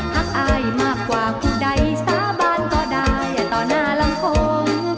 ักอายมากกว่าผู้ใดสาบานก็ได้ต่อหน้าลำพง